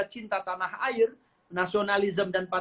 pendidikan yang sangat fundamental yang akan menumbuhkan rasanya